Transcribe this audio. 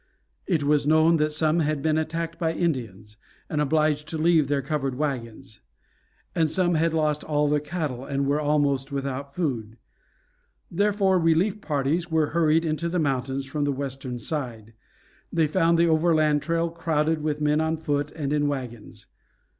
It was known that some had been attacked by Indians, and obliged to leave their covered wagons; that some had lost all their cattle, and were almost without food. Therefore relief parties were hurried into the mountains from the western side. They found the overland trail crowded with men on foot and in wagons.